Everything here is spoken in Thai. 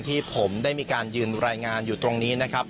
ที่ผมได้มีการยืนรายงานอยู่ตรงนี้นะครับ